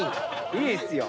いいっすよ。